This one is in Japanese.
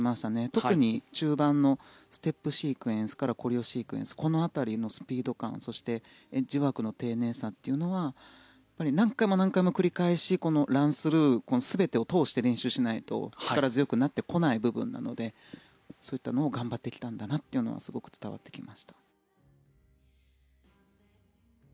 特に中盤のステップシークエンスからコレオシークエンスこの辺りのスピード感そしてエッジワークの丁寧さというのは何回も何回も繰り返しランスルー全てを通して練習しないと力強くなってこない部分なのでそういったのを頑張ってきたんだなというのが伝わってきました。